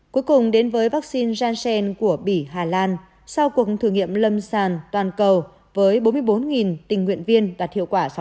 cuối cùng đến với vắc xin janssen của bỉ hà lan sau cuộc thử nghiệm lâm sàn toàn cầu với bốn mươi bốn tình nguyện viên đạt hiệu quả sáu mươi sáu